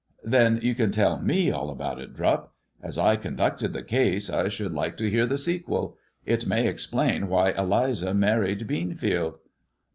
" Then you can tell me all about it, Drupp. As I con ducted the case I should like to hear the sequel. It may explain why Eliza married Beanfield."